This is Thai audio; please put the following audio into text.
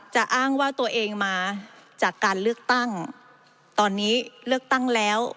อ้างว่าตัวเองมาจากการเลือกตั้งตอนนี้เลือกตั้งแล้ว